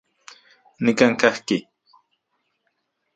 Nikan kajki.